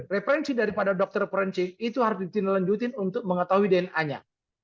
referensi daripada dokter forensik itu harus ditindaklanjutin untuk mengetahui dna nya